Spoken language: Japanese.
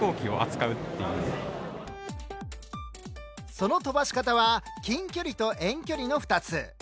その飛ばし方は近距離と遠距離の２つ。